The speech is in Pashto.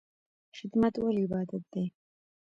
خدمت ولې عبادت دی؟